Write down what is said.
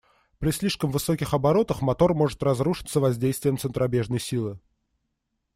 При слишком высоких оборотах мотор может разрушиться воздействием центробежной силы.